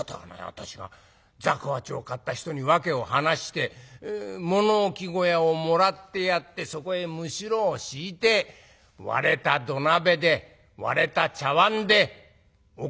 私がざこ八を買った人に訳を話して物置小屋をもらってやってそこへむしろを敷いて割れた土鍋で割れた茶わんでおかゆすすってらあ。